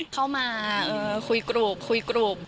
เข้ามาคุยกรุบคุยกรุบ